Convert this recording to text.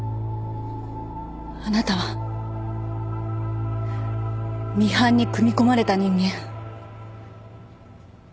あなたはミハンに組み込まれた人間。